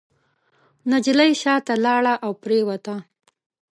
نجلۍ شاته لاړه او پرېوته.